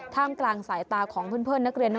กลางสายตาของเพื่อนนักเรียน